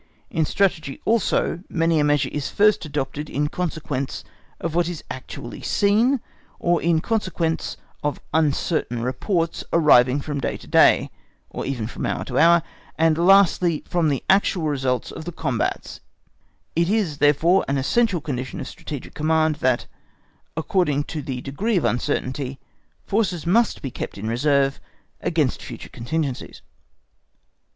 In Strategy also many a measure is first adopted in consequence of what is actually seen, or in consequence of uncertain reports arriving from day to day, or even from hour to hour, and lastly, from the actual results of the combats it is, therefore, an essential condition of strategic command that, according to the degree of uncertainty, forces must be kept in reserve against future contingencies.